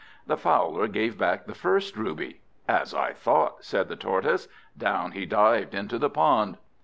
The Fowler gave back the first ruby. "As I thought," said the Tortoise. Down he dived into the pond.